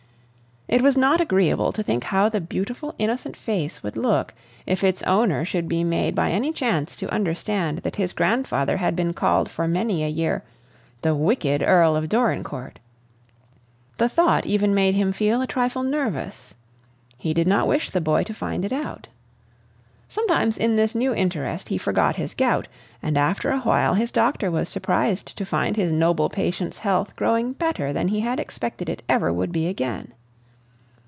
It was not agreeable to think how the beautiful, innocent face would look if its owner should be made by any chance to understand that his grandfather had been called for many a year "the wicked Earl of Dorincourt." The thought even made him feel a trifle nervous. He did not wish the boy to find it out. Sometimes in this new interest he forgot his gout, and after a while his doctor was surprised to find his noble patient's health growing better than he had expected it ever would be again.